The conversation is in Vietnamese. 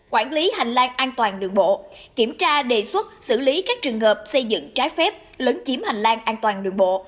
quản lý hành lang an toàn đường bộ kiểm tra đề xuất xử lý các trường hợp xây dựng trái phép lấn chiếm hành lang an toàn đường bộ